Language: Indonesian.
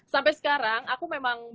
sampai sekarang aku memang